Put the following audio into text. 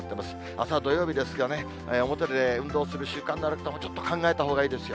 あすは土曜日ですが、表で運動する習慣がある人も、ちょっと考えたほうがいいですよ。